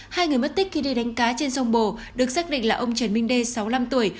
hai người mất tích khi đi đánh cá trên sông bồ được xác định là ông trần minh đê sáu mươi năm tuổi